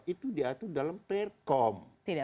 itu diatur dalam perkom